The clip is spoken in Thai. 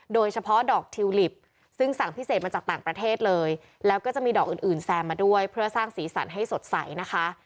โดยเฉพาะดอกทิวลิปซึ่งสั่งพิเศษมาจากต่างประเทศเลยแล้วก็จะมีดอกอื่นแซมมาด้วยเพื่อสร้างสีสันให้สดใสนะคะ